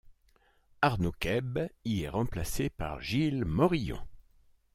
Arnaud Keb y est remplacé par Gilles Morillon.